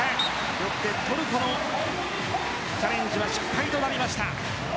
よってトルコのチャレンジは失敗となりました。